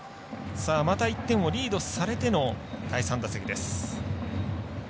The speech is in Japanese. また１点をリードされての第３打席。